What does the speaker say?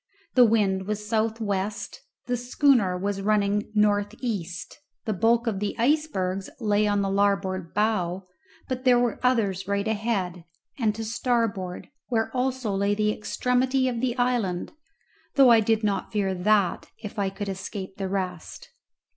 The wind was south west, the schooner was running north east; the bulk of the icebergs lay on the larboard bow, but there were others right ahead, and to starboard, where also lay the extremity of the island, though I did not fear that if I could escape the rest.